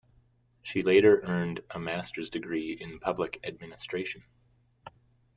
She later earned a master's degree in public administration.